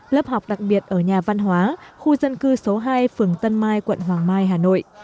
lớp học đặc biệt ở nhà văn hóa khu dân cư số hai phường tân mai quận hoàng mai hà nội